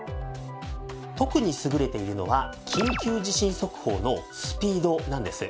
特に優れているのは緊急地震速報のスピードなんです。